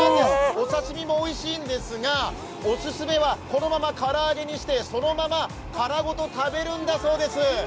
お刺身もおいしいんですが、オススメはこのまま唐揚げにしてそのまま殻ごと食べるんだそうです。